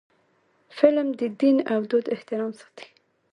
فلم د دین او دود احترام ساتي